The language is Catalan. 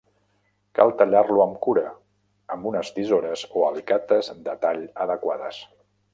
Cal tallar-lo amb cura, amb unes tisores o alicates de tall adequades.